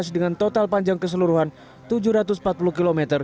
dengan total panjang keseluruhan tujuh ratus empat puluh km